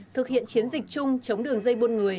thực hiện chiến dịch chung chống đường dây buôn người